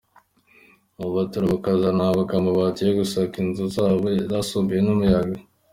Aba batura bakazanahabwa amabati yo gusaka inzu zabo zasambuwe n’umuyaga.